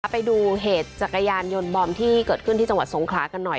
ไปดูเหตุจักรยานยนต์บอมที่เกิดขึ้นที่จังหวัดสงขลากันหน่อย